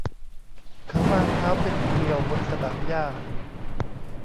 เขาวางเท้าเป็นเกลียวบนสนามหญ้า